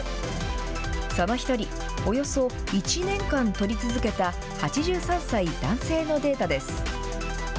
その１人、およそ１年間とり続けた８３歳男性のデータです。